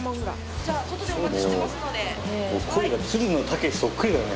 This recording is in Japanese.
声がつるの剛士そっくりだよね。